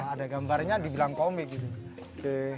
ada gambarnya dibilang komik